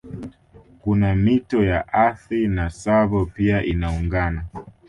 Kuna mito ya Athi na Tsavo pia inaungana